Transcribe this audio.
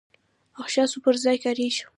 اشخاصو پر ځای کاریږي.